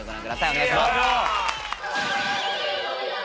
お願いします